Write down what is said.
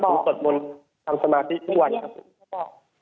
ถ้าผมกดบนทำสมาธิทุกวันครับผม